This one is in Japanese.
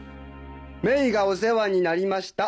メイがお世話になりました。